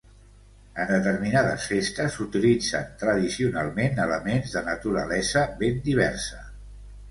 En determinades festes s'utilitzen tradicionalment elements de naturalesa ben diversa.